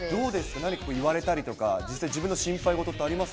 何か言われたりとか、実際、自分の心配事ってあります？